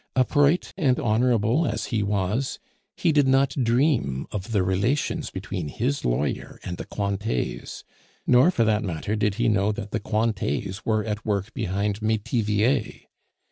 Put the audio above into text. Upright and honorable as he was, he did not dream of the relations between his lawyer and the Cointets; nor, for that matter, did he know that the Cointets were at work behind Metivier.